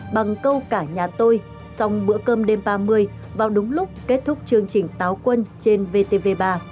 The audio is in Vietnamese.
bằng câu cả nhà tôi song bữa cơm đêm ba mươi vào đúng lúc kết thúc chương trình táo quân trên vtv ba